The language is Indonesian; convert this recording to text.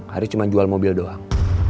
hari cuma jual mobil doang